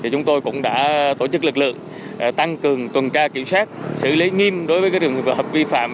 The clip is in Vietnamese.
chúng tôi cũng đã tổ chức lực lượng tăng cường tuần tra kiểm soát xử lý nghiêm đối với trường hợp vi phạm